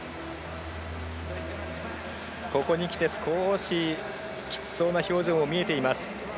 ここにきて少しきつそうな表情も見えています。